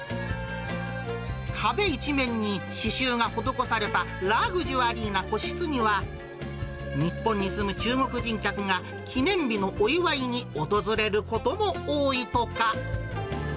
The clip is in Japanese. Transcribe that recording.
壁一面に刺しゅうが施されたラグジュアリーな個室には、日本に住む中国人客が記念日のお祝いに訪れることも多いとか。